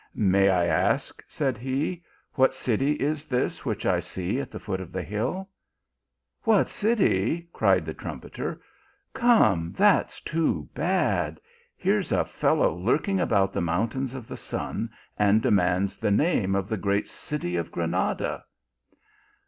" May I ask," said he, " what city is this which I see at the foot of the hill ?"" What city !" cried the trumpeter ;" come, that s too bad. Here s a fellow lurking about the moun tain of the Sun, and demands the name of the great city of Granada."